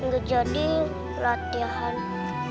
gak jadi latihan